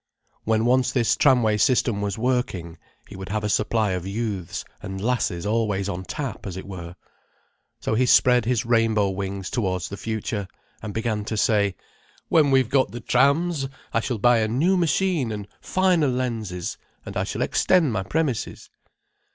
When once this tramway system was working, he would have a supply of youths and lasses always on tap, as it were. So he spread his rainbow wings towards the future, and began to say: "When we've got the trams, I shall buy a new machine and finer lenses, and I shall extend my premises."